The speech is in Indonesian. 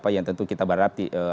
yang tentu kita berhati hati